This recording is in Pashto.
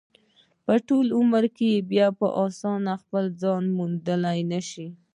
په ټول عمر کې بیا په اسانۍ خپل ځان موندلی نشي.